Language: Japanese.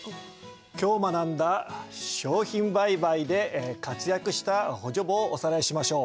今日学んだ商品売買で活躍した補助簿をおさらいしましょう。